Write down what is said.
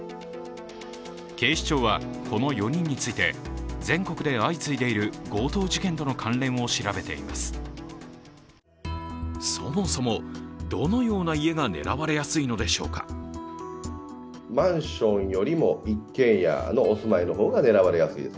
警視庁はこの４人について全国で相次いでいる強盗事件との関連を調べています。